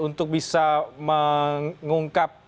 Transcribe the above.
untuk bisa mengungkap